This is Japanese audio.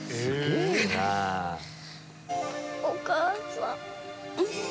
お母さん。